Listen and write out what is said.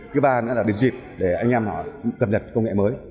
cái ba nữa là để dịp để anh em họ cập nhật công nghệ mới